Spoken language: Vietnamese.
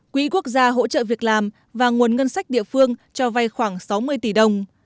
quỹ quốc gia hỗ trợ việc làm và nguồn ngân sách địa phương cho vay khoảng sáu mươi tỷ đồng